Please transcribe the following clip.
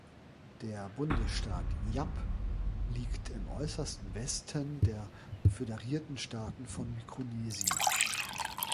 Der Bundesstaat Yap liegt im äußersten Westen der Föderierten Staaten von Mikronesien.